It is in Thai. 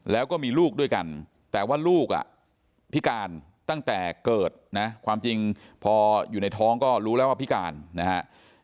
แล้วก็มีลูกด้วยกันแต่ว่าลูกพิการตั้งแต่เกิดนะความจริงพออยู่ในท้องก็รู้แล้วว่าพิการนะฮะ